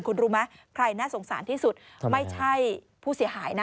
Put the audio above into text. คุณรู้ไหมใครน่าสงสารที่สุดไม่ใช่ผู้เสียหายนะ